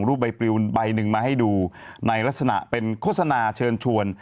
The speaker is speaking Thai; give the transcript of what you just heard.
ใบปริวใบหนึ่งมาให้ดูในลักษณะเป็นโฆษณาเชิญชวน